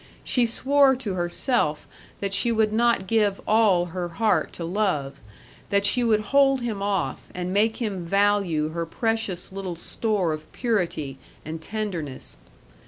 She swore to herself that she would not give all her heart to love; that she would hold him off and make him value her precious little store of purity and tenderness.